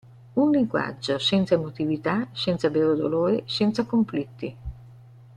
Un linguaggio senza emotività, senza vero dolore, senza conflitti.